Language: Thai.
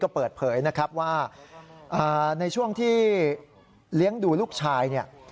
เปิดเผยนะครับว่าในช่วงที่เลี้ยงดูลูกชายเนี่ย